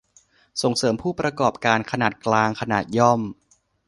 ส่งเสริมผู้ประกอบการขนาดกลาง ขนาดย่อม